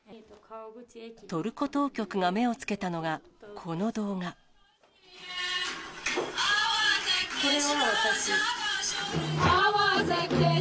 トルコ当局が目をつけたのが、これが私。